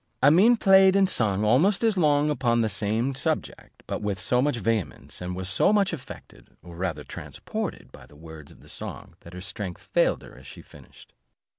Amene played and sung almost as long upon the same subject, but with so much vehemence, and was so much affected, or rather transported, by the words of the song, that her strength failed her as she finished.